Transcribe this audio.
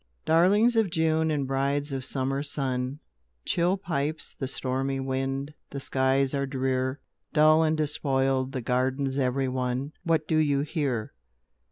Darlings of June and brides of summer sun, Chill pipes the stormy wind, the skies are drear; Dull and despoiled the gardens every one: What do you here?